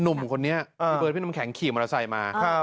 หนุ่มคนนี้พี่เบิร์พี่น้ำแข็งขี่มอเตอร์ไซค์มา